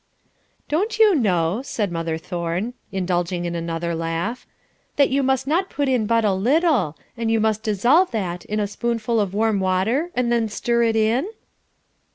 "Don't you know," said mother Thorne, indulging in another laugh, "that you must not put in but a little, and you must dissolve that in a spoonful of warm water and then stir it in?"